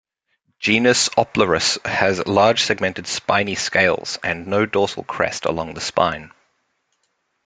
Genus "Oplurus" has large segmented spiny scales, and no dorsal crest along the spine.